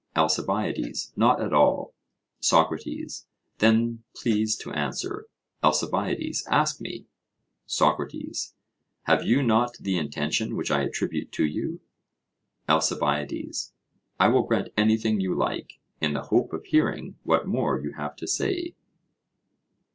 ALCIBIADES: Not at all. SOCRATES: Then please to answer. ALCIBIADES: Ask me. SOCRATES: Have you not the intention which I attribute to you? ALCIBIADES: I will grant anything you like, in the hope of hearing what more you have to say.